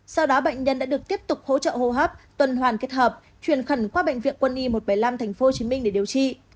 sau đó bệnh nhân đã được tiếp tục hỗ trợ hô hấp tuần hoàn kết hợp chuyển khẩn qua bệnh viện quân y một trăm bảy mươi năm tp hcm để điều trị